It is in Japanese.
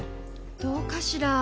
どうかしら。